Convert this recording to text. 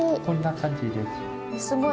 こんな感じです。